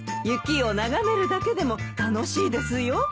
雪を眺めるだけでも楽しいですよ。